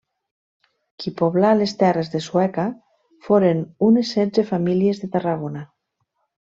Qui poblà les terres de Sueca foren unes setze famílies de Tarragona.